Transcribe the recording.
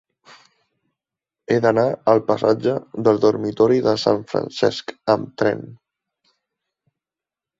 He d'anar al passatge del Dormitori de Sant Francesc amb tren.